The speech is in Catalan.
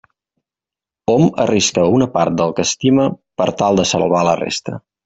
Hom arrisca una part del que estima per tal de salvar la resta.